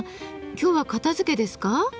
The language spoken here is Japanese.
今日は片づけですか？